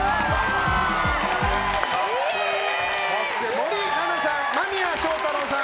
森七菜さん、間宮祥太朗さん